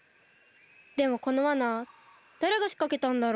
でもこのわなだれがしかけたんだろう？